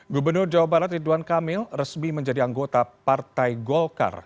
gubernur jawa barat ridwan kamil resmi menjadi anggota partai golkar